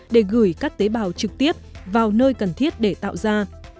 để gửi các tế bào trực tiếp vào nơi cần thiết để tạo ra